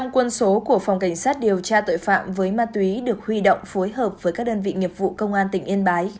một trăm linh quân số của phòng cảnh sát điều tra tội phạm với ma túy được huy động phối hợp với các đơn vị nghiệp vụ công an tỉnh yên bái